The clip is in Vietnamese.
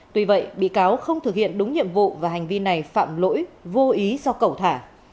tuy vậy bị cáo không thực hiện đúng nhiệm vụ và hành vi này phạm lỗi vô ý do cẩu thả